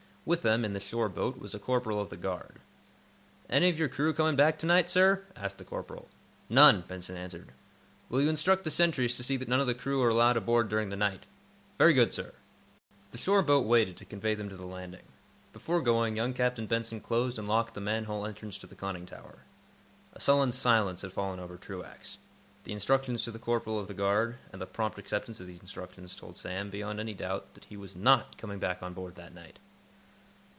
With them, in the shore boat, was a corporal of the guard. "Any of your crew coming back to night, sir?" asked the corporal. "None," Benson answered. "Will you instruct the sentries to see that none of the crew are allowed aboard during the night?" "Very good, sir." The shore boat waited to convey them to the landing. Before going, young Captain Benson closed and locked the manhole entrance to the conning tower. A sullen silence had fallen over Truax. The instructions to the corporal of the guard, and the prompt acceptance of those instructions, told Sam, beyond any doubt, that he was not coming back on board that night.